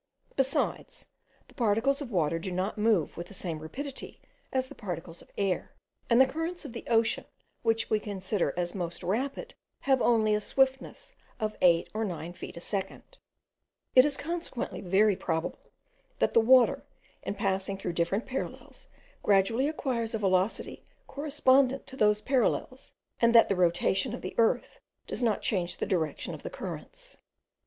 Besides, the particles of water do not move with the same rapidity as the particles of air; and the currents of the ocean, which we consider as most rapid, have only a swiftness of eight or nine feet a second; it is consequently very probable, that the water, in passing through different parallels, gradually acquires a velocity correspondent to those parallels, and that the rotation of the earth does not change the direction of the currents.